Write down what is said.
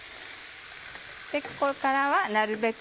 ここからはなるべく